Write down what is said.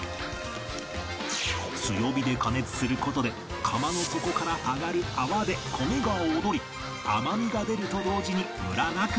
強火で加熱する事で釜の底から上がる泡で米が踊り甘みが出ると同時にむらなく炊き上がる